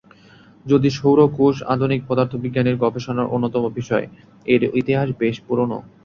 যদিও সৌর কোষ আধুনিক পদার্থবিজ্ঞানের গবেষণার অন্যতম বিষয়, এর ইতিহাস বেশ পুরনো।